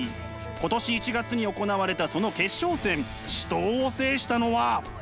今年１月に行われたその決勝戦死闘を制したのは。